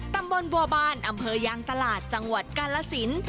ตำบลบัวบานอำเภอยางตลาดจังหวัดกาลสิน